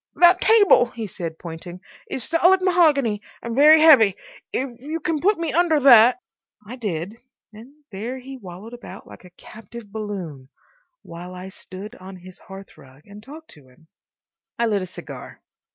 "That table," he said, pointing, "is solid mahogany and very heavy. If you can put me under that— " I did, and there he wallowed about like a captive balloon, while I stood on his hearthrug and talked to him. I lit a cigar.